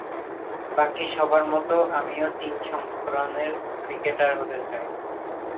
বাকি সবার মতো আমিও তিন সংস্করণের ক্রিকেটার হতে চাই।